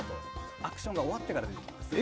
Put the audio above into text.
アクションが終わってからです。